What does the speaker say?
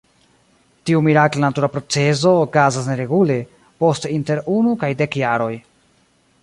Tiu mirakla natura procezo okazas neregule, post inter unu kaj dek jaroj.